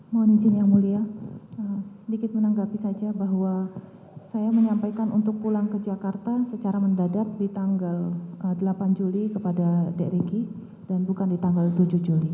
mohon izin yang mulia sedikit menanggapi saja bahwa saya menyampaikan untuk pulang ke jakarta secara mendadak di tanggal delapan juli kepada dek ricky dan bukan di tanggal tujuh juli